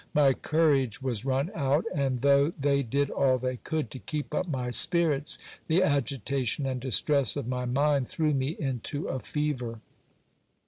My courage was run out ; and though they did all they could to keep up my spirits, the agitation and distress of my mind threw me into a fever.